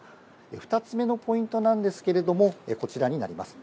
２つ目のポイントなんですけれども、こちらになります。